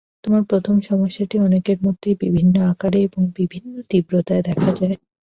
তোমার প্রথম সমস্যাটি অনেকের মধ্যেই বিভিন্ন আকারে এবং বিভিন্ন তীব্রতায় দেখা যায়।